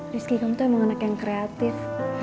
rizky kamu tuh emang anak yang kreatif